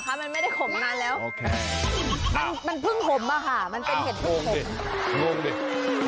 มันไม่ได้ขมนานแล้วมันพึ่งขมอ่ะค่ะมันเป็นเห็ดพึ่งขม